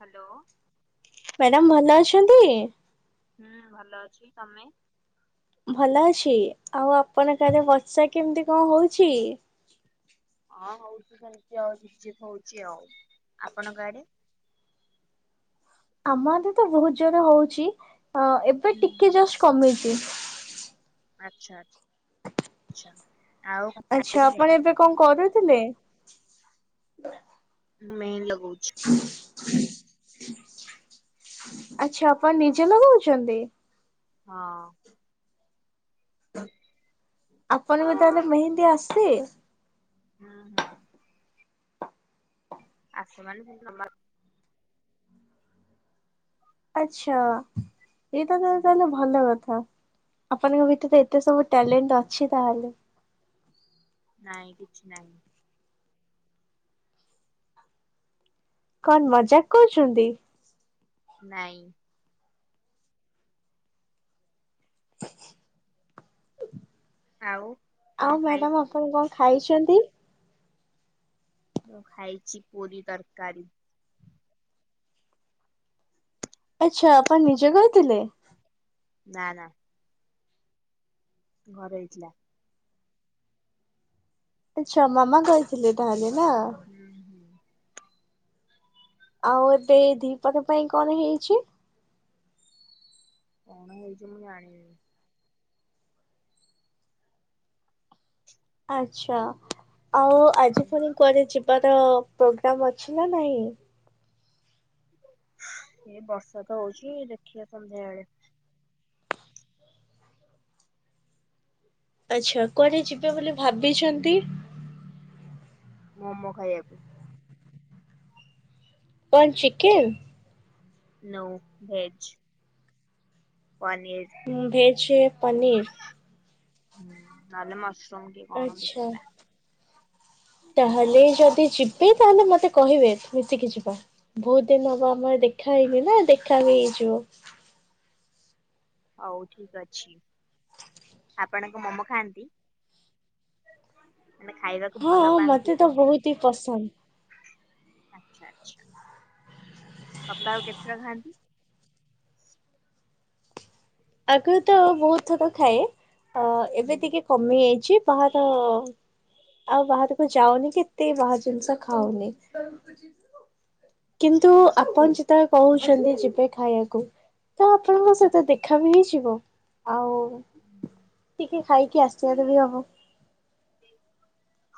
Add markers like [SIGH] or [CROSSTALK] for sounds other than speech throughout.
Hello. Madam ଭଲ ଅଛନ୍ତି। ହୁଁ ଭଲ ଅଛି ତମେ? ଭଲ ଅଛି ଆଉ ଆପଣ କାରେ ବର୍ଷା କେମିତି କଣ ହୋଉଛି? ହଁ ହଉଚି ସେମତି ଆଉ ଝିପ୍ ଝିପ୍ ହୋଉଚି ଆଉ ଆପଣଙ୍କ ଆଡେ? ଆମ ଆଡେ ତ ବହୁତ ଜୋରେ ହଉଚି ଏବେ ହୁଁ ଟିକେ ଜଷ୍ଟ କମିଚି। ଆଛା। ଆଛା ଖାଇଥିଲେ? ଆପଣ ଏବେ କଣ କରୁଥିଲେ? ମେନ୍ ଲଗଉଚି। ଆଛା ଆପଣ ନିଜେ ଲଗଉଛନ୍ତି? ହଁ। ଆପଣଙ୍କୁ ତାହାଲେ ମେହେନ୍ଦୀ ଆସେ? ହୁଁ ହୁଁ। ଆସ ମାନେ। [UNINTELLIGIBLE] ଆଛା ଏଇଟା ତ ତାହାଲେ ଭଲ କଥା। ଆପଣଙ୍କ ଭିତରେ ଏତେ ସବୁ ଟ୍ୟାଲେଣ୍ଟ ଅଛି ତାହେଲେ। ନାଇଁ କିଛି ନାହିଁ। କଣ ମଜାକ କହୁଚନ୍ତି? ନାଇଁ। ଆଉ କଣ ଆଉ ମ୍ୟାଡାମ ଖାଇଥିଲେ? ଆପଣ କଣ ଖାଇଛନ୍ତି? ମୁଁ ଖାାଇଚି ପୁରି ତରକାରୀ। ଆଛା ଆପଣ ନିଜେ ଗାଇଥିଲେ? ନା ନା। ଘରେ ହେଇଥିଲା। ଆଛା ମାମା କରିଥିଲେ ତାହାଲେ ନା। ହୁଁ ହୁଁ। ଆଉ ଏବେ ଦିପହର ପାଇଁ କଣ ହେଇଚି? କଣ ହେଇଚି ମୁଁ ଜାଣିନି। ଆଛା ଆଉ ଆଜି ତମର? ପୁଣି କୁଆଡେ ଯିବ୍ ବାର ପୋଗ୍ରାମ ଅଛି ନା ନାହିଁ? ଏ ବର୍ଷା ତ ହଉଚି ଦେଖିବା ସନ୍ଧ୍ୟାବେଳେ। ଆଛା କୁଆଡେ ଯିବେ ବୋଲି ଭାବିଛନ୍ତି? ମୋମୋ ଖାଇବାକୁ। କଣ ଚିକେନ୍? No veg. ପନିର୍। ଭେଜରେ ପନିର। ହୁଁ ନହଲେ ମସରୁମ କି କଣ ଦେଖିବା। ତାହାଲେ ଯଦି ଯିବେ ତାହାଲେ ମତେ କହିବେ ମିଶିକି ଯିବା। ବହୁତ ଦିନ ହବ ଆମର ଦେଖା ହେଇନି ନା ଦେଖା ବି ହେଇଯିବ। ହଉ ଠିକ ଅଛି। ଆପଣଙ୍କ ମୋମ ଖାଆନ୍ତି। ମାନେ ଖାଇବାକୁ ଭଲ ହଁ ପାଆନ୍ତି ମତେ ତ କି? ବହୁତ ହି ପସନ୍ଦ ଆଛା ଆଛା ସପ୍ତାହ କୁ କେତେଥର ଖାଆନ୍ତି? ଆଗରୁ ତ ବହୁତ ଥର ଖାଏ ଅ ଏବେ ହୁଁ ଟିକେ କମି ଯାଇଚି ବାହାର ଆଉ ବାହାରକୁ ଯାଉନି କି ଏତେ ବାହାର ଜିନିଷ ଖାଉନି। ଆଚ୍ଛା କିନ୍ତୁ ଆଚ୍ଛା ଆପଣ ଯେତେବଳେ କହୁଚନ୍ତି ଯିବେ ଖାଇବାକୁ ତ ଆପଣଙ୍କ ସହିତ ଦେଖ ଦେଖା ବି ହେଇ ଯିବ ଆଉ ଟିକେ ଖାଇକି ଆସିବାର ବି ହବ।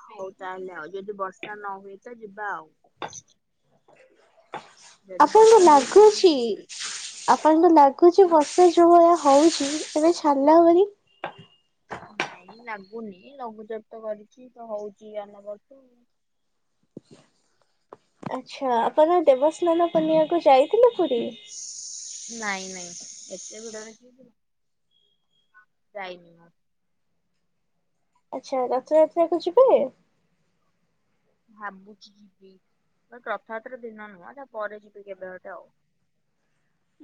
ହୋଉ ତାହାଲେ ଆଉ ଯଦି ବର୍ଷା ନ ହୁଏ ତ ଯିବା ଆଉ। ଯଦି ଆପଣଙ୍କୁ ବର୍ଷା ହୁଏ ତାହେଲେ ମୁଁ ଲାଗୁଚି। ଯିବିନି। ଆପଣଙ୍କୁ ଲାଗୁଛି ବର୍ଷା ଯୋଉ ଭଳିଆ ହଉଛି ଏବେ ଛାରିଲା ଭଳି। ନାଇଁ ଲାଗୁନି ଲଘୁଚାପ ତ କରିଛି ତ ହଉଛି ଆମର। ଆଚ୍ଛା ଆପଣ ଦେବସ୍ନାନ ପନଆକୁ ଯାଇଥିଲେ ପୁରୀ? ନାଇଁ ନାଇଁ ଏତେ ଭିଡରେ କିଏ ଯିବ। ଯାଇନି। ଆଚ୍ଛା ରଥଯାତ୍ରାକୁ ଯିବେ। ଭାବୁଚି କି ଯିବି। ଟ ରଥଯାତ୍ର ଦିନ ନୁହଁ ତା ପରେ ଯିବି କେବେଗୋଟେ ଆଉ।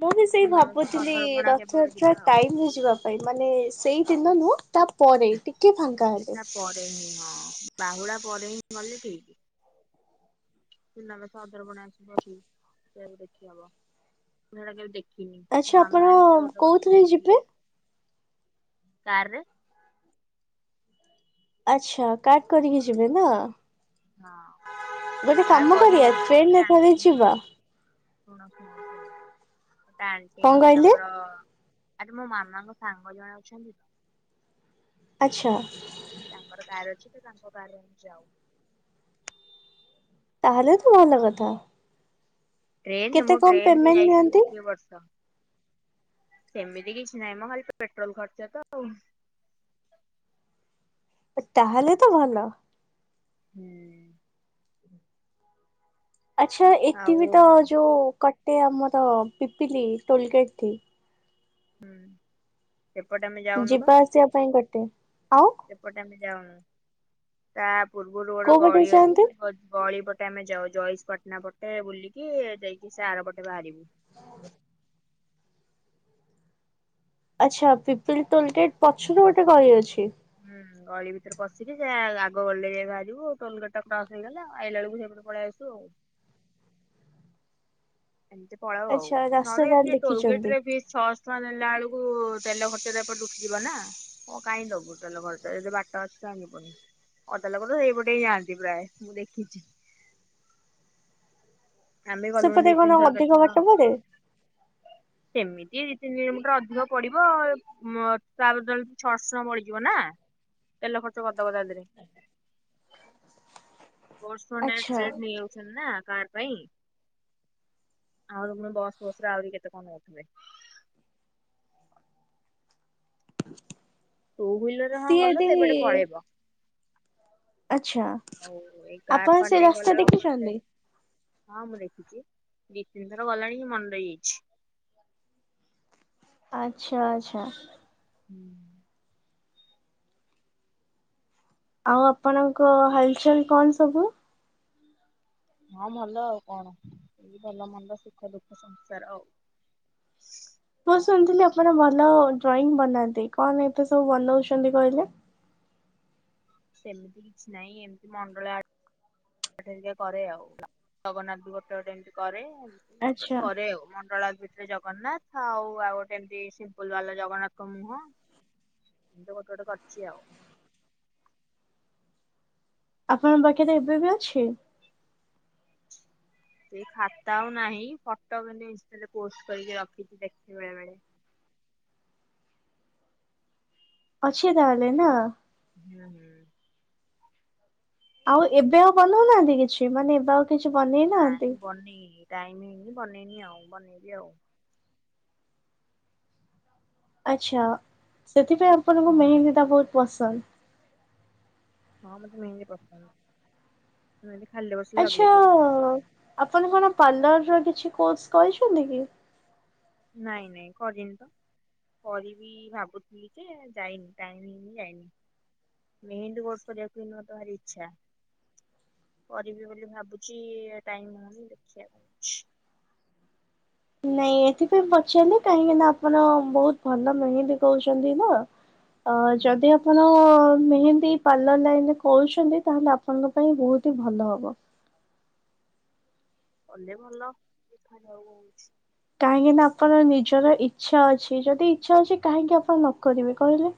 ମୁଁ ବି ସେଇ ସୁନାବେଶ ଭାବୁଥିଲି ଅଧରପଣା କେବେଗୋଟେ ରଥଯାତ୍ରା ଯିବା ଆଉ। ଟାଇମ ରେ ଯିବାକୁ। ମାନେ ସେଇଦିନ ନୁହଁ ତା ପରେରେ ଟିକେ। ହଁ ଫାଙ୍କା ହେଲେ। ସେଇଟା ପରେ ହିଁ ହଁ ବାହୁଡ଼ା ପରେ ହିଁ ଗଲେ ଠିକ। ସୁନାବେେଶ ଅଧରପଣା ଆସିବ ସେ ଦେଖି ହବ ସେଟା କେବେ ଦେଖ ଆଚ୍ଛା ମୁଁ ଆପଣ ଆମ ଆଳି ଗୋଟେ ବଖ କୋଉଥିରେ ଯିବେ? ଯାଇଥିଲେ କାରର ଆଚ୍ଛା କାଟ କରିକି ଯିବେ ନା। ହଁ ଗୋଟେ ତାର କାମ କରିକି କରିବା ନୁହଁବ ଟ୍ରେନରେ ମୋତେ ଥରେ ଯିବା। ଆଙ୍କର ଶୁଣ ଶୁଣ ଶୁଣ ଗୋଟେ ଆଣ୍ଟି କଣ କହିଲେ ଆମର ଆ ତ ମୋ ମାମାଙ୍କ ସାଙ୍ଗ ଜଣ ଅଛନ୍ତି ତ ଆଚ୍ଛା ତାଙ୍କର କାର ଅଛି ତ ତାଙ୍କ କାର ରେ ଯାଉ। ତାହେଲେ ତ ଭଲ କଥା। ଟ୍ରେନ କେତେ ମୁଁ କଣ ଟ୍ରେନରେ ପେମେଣ୍ଟ ଯାଇଥିଲି ନିଅନ୍ତି ଗୋଟିଏ ବର୍ଷ। ସେମିତି କିଛି ନାହିଁ ମୋ ଖାଲି ତ ପେଟ୍ରୋଲ ଖର୍ଚ୍ଚ ତ ଆଉ। ତାହେଲେ ତ ଭଲ। ହୁଁ ଆଚ୍ଛା ଏଠି ବିି ଆଉ ତ ଯୋଉ କଟେ ଆମର ପିପିଲି ଟୋଲଗେଟ ଠି। ହୁଁ ଏପଟ ଆମେ ଯାଉ। ଯିବା ଆସିବା ପାଇଁ ଗୋଟେ ଆଉ ସେପଟେ ଆମେ ଯାଉନୁ ତା ପୂର୍ବରୁ ଗୋଟେ କୋଉ ବାଟେ ଗଳି ଅଛି ଯାଆନ୍ତି? ଗଳି ପଟେ। ଗଟେ ଆମେ ଯାଉ ଜୟେଶପଟନା ପଟେ ବୁଲିକି ଯାଇକି ସେ ଆଡ ପଟେ ବାହାରିବୁ। ହଉ ଆଚ୍ଛା ପିପିଲ ଟୋଲ ଗେଟ୍ ପଛରୁ ଗୋଟେ ଗଳି ଅଛି। ହୁଁ ଗଳି ଭିତରେ ପଶିକି ସେ ଆଗ ଗଳିରେ ଯାଇ ବାହାରିବୁ ଟୋଲ ଗେଟ ଟା କ୍ରସ ହେଇଗଲା ଆଇଲା ବେକୁ ସେପଟେ ପଳେଇ ଆସୁ ଆଉ। ଏମିତି ପଲାଉ ଆଉ ଆଚ୍ଛା ରାସ୍ତା ନହେଲେ ତାହେଲେ ଏମିତି ଟୋଲ ଗେଟ ଦେଖିଛନ୍ତି ରେ ବି ଛଅ ଟଙ୍କା ନେଲା ବେଳକୁ ତେଲ ଖର୍ଚ୍ଚ ଏପ ଡୁକିଯିବ ନା କଁ କାଇହିଁ ଦବୁ ତେଲ ଖର୍ଚ୍ଚ ଯଦି ବାଟ ଅଛି। ଜଣିିବନି ଅଟ ଲୋକ ତ ସେଇପଟେ ଯାଆନ୍ତି ପ୍ରାୟ ମୁଁ ଦେଖିଛି। ଆମ ଗଲୁଣି ଦି ସେପଟେ କଣ ତିନି ଥର କେତେ ଅଧିକ ଥର। ବାଟ ପଡେ? ସେମିତି ଦି ତିନିମଟର ଅଧିକ ପଡିବ। ତା ବଦ ଛର୍ସଣ ମଡିଯିବ ନା ତେଲ ଖର୍ଚ୍ଚ କରିଦବ ତା ଦେହରେ। [UNINTELLIGIBLE] ଆଚ୍ଛା ନେଇଯାଉଛନ୍ତି ନା କାର୍ ପାଇଁ। ଆହୁରି ପୁଣି ବସ୍ ବସ୍‌ ରେ ଆହୁରି କେତେ କଣ ହୋଉଥିବେ। ଟୁ ହିଲର ହଁ ଗଲେ ହଁ ସିଏଠି ସେପଟେ ପଳେଇବ। ଆଚ୍ଛା ଆଉ ଏଇ କାର୍ ଆପଣ ଫାର୍ ସେ ନେଇ ରାସ୍ତା ଦେଖିଛନ୍ତି? ଗଲାବେଳକୁ ହଁ ମୁଁ ଦେଖିଛି ଦି ତିନି ଥର ଗଲାଣି ମନ ରହିଯାଇଚି। ଆଚ୍ଛା ଆଚ୍ଛା। ହୁଁ। ଆଉ ଆପଣଙ୍କ ହାଲ୍ ଚାଲ୍ କଣ ସବୁ? ହଁ ଭଲ ଆଉ କଣ ଭଲ ମନ୍ଦ ସୁଖ ଦୁଃଖ ସଂସାର ଆଉ। ମୁଁ ଶୁଣିଥିଲି ଆପଣ ଭଲ ଡ୍ରଇଂ ବନାନ୍ତି କଣ ଏତେ ସବୁ ବନଉଛନ୍ତି କହିଲେ? ସେମିତି କିଛି ନାହିଁ ଏମିତି ମଣ୍ଡଳ ଆ ପାଟି ହରିକା କରେ ଆଉ ଜଗନ୍ନାଥ ବି ଗୋଟେ ଗୋଟେ ଏମିତି କରେ। ମୁଁ ଗୋଟେ ଗୋଟେ ଆଚ୍ଛା କରେ ଆଉ ମଣ୍ଡଳା ପିଠା ରେ ଯାଉ। ଜଗନ୍ନାଥ ଆଉ ଆଉ ଗୋଟେ ଏମତି ସିମ୍ପୁଲ୍ ବାଲା ଜଗନ୍ନାଥ ମୁହଁ। ମୁଁ ତ ଗୋଟେ ଗୋଟେ କରିଚି ଆଉ। ଆପଣଙ୍କ ପାଖିରେ ଏବେ ବି ଅଛି। ସେଇ ଖାତା ଆଉ ନାହିଁ ଫଟୋ ମାନେ ଇନ୍‌ଷ୍ଟା ରେ ପୋଷ୍ଟ କରିକି ରଖିଛି ଦେଖିଲା ବେଳେ। ଅଛ ତାହେଲେ ନା? ହୁଁ ହୁଁ। ଆଉ ଏବେ ଆଉ ବନଉନାହାନ୍ତି କିଛି ମାନେ ଏବେ ଆଉ କିଛି ବନେଇ ନାହାନ୍ତି। [UNINTELLIGIBLE] ଟାଇମ୍ ହେଇନି ବନେଇନି ଆଉ ବନେଇବି ଆଉ। ଆଛା ସେଥିପାଇଁ ଆପଣଙ୍କୁ ହୁଁ ମେହେନ୍ଦୀ ଟା ବହୁତ ପସନ୍ଦ। ହଁ ମତେ ମେହେନ୍ଦି ପସନ୍ଦ ମୁଁ ଏମିତି ଖାଲିରେ ବସିଲେ ଆଚ୍ଛା ଲଗେଇଦିଏ। ଆପଣ କଣ ପାର୍ଲର ର କିଛି କୋର୍ସ କରିଛନ୍ତି କି? ନାଇଁ ନାଇଁ କରିନି ତ। କରିବି ଭାବୁଥିଲି ଯେ ଯାଇନି ଟାଇମ୍ ହେଇନି ଯାଇନି। ମେହେନ୍ଦି କୋର୍ସ୍ କରିବା ପାଇଁ ମୋର ଭାରି ଇଛା। କରିବି ବୋଲି ଭାବୁଛି ଟାଇମ୍ ହୋଉନି ଦେଖିଆ କଣ ହୋଉଚି। ନାଇଁ ଏଥିପାଇଁ ପଚାରିଲେ କାହିଁକି ନା ଆପଣ ବହୁତ ଭଲ ମେହେନ୍ଦି କରୁଛନ୍ତି ନା। ଅ ଯଦି ଆପଣ ମେହେନ୍ଦୀ ପାର୍ଲର ଲାଇନ୍ ରେ କରୁଛନ୍ତି ତାହେଲେ ଆପଣଙ୍କ ପାଇଁ ବହୁତ ହିଁ ଭଲ ହବ। କଲେ ଭଲ ଖାଇବାକୁ ହୋଉଚି। କାହିଁକି ନା ଆପଣ ନିଜର ଇଚ୍ଛା ଅଛି ଯଦି ଇଚ୍ଛା ଅଛି କାହିଁକି ଆପଣ ନ କରିବେ କହିଲେ?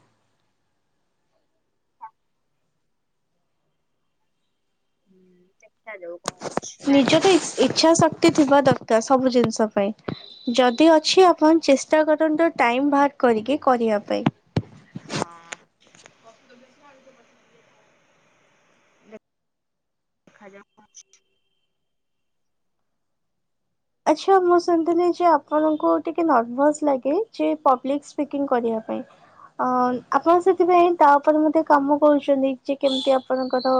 ହୁଁ ଦେଖା ଯାଉ କଣ ହୋ ନିଜର ଇଚ୍ଛା ଶକ୍ ଟି ଥିବା ଦରକାର ସବୁ ଜିନିଷ ପାଇଁ ଯଦି ଅଛି ଆଉ। ଆପଣ ଚେଷ୍ ଟା କରନ୍ତ ଟାଇମ୍ ବାହାର କରିକି କରିଆ ପାଇଁ। ହଁ। ଦେଖାଯାଉ କଣ ହୋଉଚି। ଆଚ୍ଛା ମୁଁ ଶୁଣିଥିଲି ଯେ ଆପଣଙ୍କୁ ଟିକେ ନର୍ଭସ ଲାଗେ ଯେ ପବ୍ଲିକ ସ୍ପିକିଂ କରିବା ପାଇଁ। ଅ ଆପଣ ସେଥିପାଇଁ ତା ଉପରେ ମଧ୍ୟ କାମ କରୁଛନ୍ତି ଯେ କେମିତି ଆପଣଙ୍କର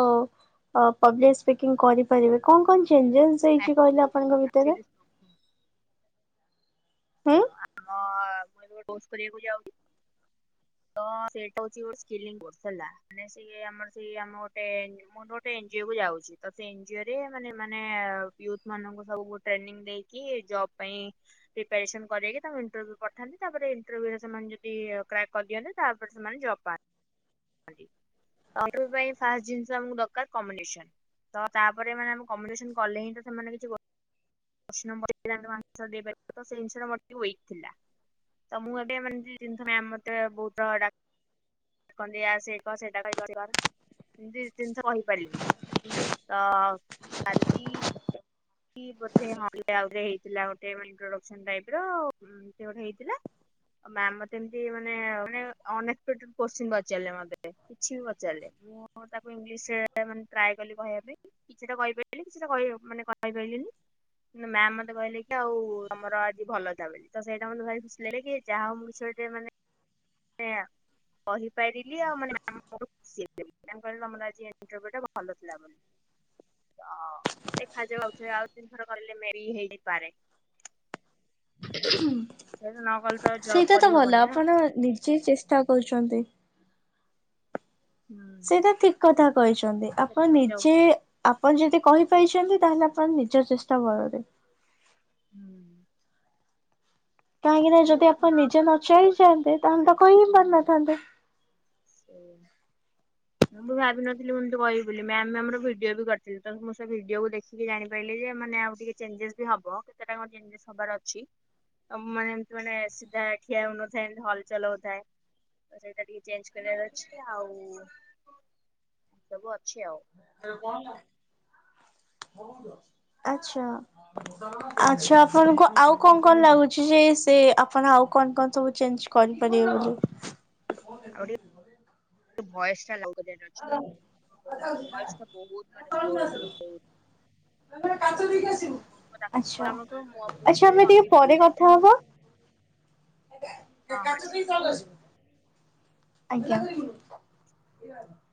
ପବ୍ଲିକ ସ୍ପିକିଙ୍ଗ କରିପାରିବେ କଣ କଣ ଚେଞ୍ଜେସ୍ ହେଇଛି କହିଲେ ଆପଣଙ୍କ ଭିତରେ? ହୁଁ। କଣ ଆମ ମୁଁ ଏ କୋସ୍ କରିବାକୁ ଯାଉଛି। ତ ସେଇଟା ହଉଚି ଗୋଟେ ସ୍କିଲିଗ୍ ବୋଶ ହେଲା ମାନେ ସେ ଆମର ସେଇ ଆମ ଗୋଟେ ମୋର ଗୋଟେ ଏନଜିଓ କୁ ଯାଉଛି ତ ସେ ଏନଜିଓ ରେ ମାନେ ମାନେ ୟୁଥ୍ ମାନଙ୍କୁ ସବୁ ଟ୍ରେନିଂ ଦେଇକି ଜବ୍ ପାଇଁ [UNINTELLIGIBLE] ପ୍ରିପାରେସନ୍ କରାଇକି ତାଙ୍କୁ ଇଣ୍ଟରଭ୍ୟ ପଠାନ୍ତି ତାପରେ ଇଣ୍ଟରଭ୍ୟୁରେ ସେମାନେ ଯଦି କ୍ରାକ୍ କରିଦିଅନ୍ତ ତାପରେ ସେମାନେ ଜବ୍। ପା [UNINTELLIGIBLE] ଜିନିଷ ଆମକୁ ଦରକାର କମଡିଶନ୍। ତ ତାପରେ ମାନେ ଆମେ କମଡିସନ୍ କଲେ ହିଁ ତ ସେମାନେ କିଛି ବ [INAUDIBLE] ତ ସେଇ ଜିନିଷଟା ହୋଇଥିଲା। ତ ମୁଁ ଏବେ ମେ ଜିନିଷ ମ୍ୟାମ୍ ମତେ ବହୁତ୍ ଡା ଦେଖଆ ସେ ଏକ ସେଇଟା କହିିବାର ଏମିତି ତିନିଷ କହିପାରିନି। ତ କାଲି କି ବୋଧେ ହଁ [UNINTELLIGIBLE] ଗୋଟେ ମାନେ ଇଣ୍ଟରଡକସନ୍ ଟାଇପ୍ ର ଏମତି ଗୋଟେ ହେଇଥିଲା। ମ୍ୟାମ୍ ମତେ ଏମତି ମାନେ ମାନେ ଅନଏକ୍ସପେକଟେଡ କୋଶ୍ଚିନ୍ ପଚାରିଲେ ମତେ। କିଛି ବି ପଚାଲେ। ମୁଁ ତାକୁ ଇଂଲିଶ୍ ରେ ମାନେ ଟ୍ରାଏ କଲି କହିବା ପାଇଁ କିଛିଟା କହିପାରିଲି କିଛିଟା ମାନେ କହି କହି ପାଇଲିନି। ମ୍ୟାମ୍ ମତେ କହିଲେ କି ଆଉ ତମର ଆଜି ଭଲ ଚାଲିଚି ତ ସେଇଟା ମତେ ଭାରି ଖୁସି ଲାଗିଲେ କି ଯାହା ହଉ ମୁଁ ସେ ଯେ ମାନେ କହିପାରିଲି ଆଉ ମାନେ ସିଏ ଦେଲେ ତାଙ୍କର ତମର ଆଜି ଏଇ କାମ ଟା ଭଲ ଥିଲା ବୋଲି। ତ ଦେଖା ଯାଉ ଆଉ ତିନିଥର କରିଲେ ମେରି ହେଇ ଯାଇପାରେ। ସେ ନ କଲେ ତ ଜବ୍ ସେଇଟା ତ ଭଲ କରିହବନି ନା। ଆପଣ ନିଜେ ଚେଷ୍ଟା କରୁଚନ୍ତି। ହୁଁ ସେଇଟା ଠିକ୍ କଥା କହିଚନ୍ତି ତ ଆପଣ ଦେଖାଯାଉ ନିଜେ ଆପଣ ଯଦି କହିପାରିଛନ୍ତି ତାହେଲେ ଆପଣ ନିଜ ଚେଷ୍ଟା ବଳରେ। ହୁଁ। କାହିଁକି ନାଁ ଯଦି ନିଜରକୁ ଆପଣ ନ ନିଜେ କଲେ ନଚାହ୍ନିଥାନ୍ତେ। ତାହେଲେ ତ କହି ହିଁ ପାରିନଥାନ୍ତେ। ସେଇୟା। ମୁଁ ଭାବିିନଥିଲି ମୁଁ ଏମିତି କହିବି ବୋଲି ମ୍ୟାମ୍ ଆମର ଭିଡିଓ ବି କରିଥିଲେ ତ ମୁଁ ସେ ଭିଡିଓକୁ ଦେଖି ସିଏ ଜାଣିପାଇଲେ ଯେ ମାନେ ଆଉ ଟିକେ ଚେଞ୍ଜେସ୍ ବି ହବ କେତେଟା କଣ ଚେଞ୍ଜେସ୍ ହବାର ଅଛି। ତମ ମାନେ ଏମତି ମାନେ ସିଧା ଠିଆ ହଉନଥାଏ ଏମତି ହଲ ଚଲ ହଉଥାଏ। ତ ସେଇଟା ଟିକେ ଚେଞ୍ଜ୍ କରିବାର ଅଛି ଆଉ ସବୁ ଅଛି ଆଉ। ଆଉ କଣ ହେଲା। ଆଚ୍ଛା। ଆଚ୍ଛା ଆପଣଙ୍କୁ ଆଉ କଣ କଣ ଲାଗୁଛି ଯେ ସେ ଆପଣ ଆଉ କଣ କଣ ସବୁ ଚେଞ୍ଜ କରିପାରିବେ ବୋଲି। ଆହୁରି ଭେଏଟା ଲାଗୁ। ର ଭଏସ୍ ଟା ବହୁତ୍ ମାନେ ସ୍ଲୋ ହେଇଯାଉଛି। ଶୁଣୁଥିବ ତାକୁ ବି ଭଲ ଆଚ୍ଛା ଲାଗୁଥିବ ମୁଁ ମୁଁ ଆଚ୍ଛା ଶୁଣିଲି ଆମେ ଟିକେ ମତେ ବି ଭଲ ପରେ ଲାଗିଲା କଥା ହବା। ଏଇ ହଁ ହଁ। କାଚ କେମିତି ହଲୁଛି। ଆଜ୍ଞା।